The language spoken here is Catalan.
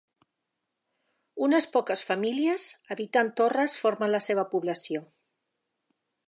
Unes poques famílies habitant torres formen la seva població.